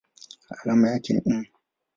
Alama yake ni µm.